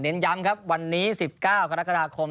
ย้ำครับวันนี้๑๙กรกฎาคม